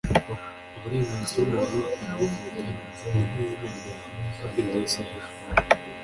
uburenganzira umuntu arabuvukana. ni nk'izina ryawe, indeshyo yawe,